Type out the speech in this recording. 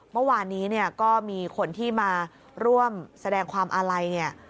เมื่อวานนี้เนี่ยก็มีคนที่มาร่วมแสดงความอาลัยเนี่ย